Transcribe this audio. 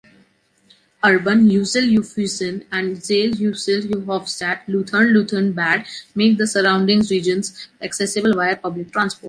Urban"", ""Hüswil-Ufhusen"" and "Zell-Hüswil-Hofstatt-Luthern-Luthern Bad" make the surrounding regions accessible via public transport.